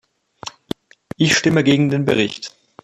Ich stimme gegen den Bericht.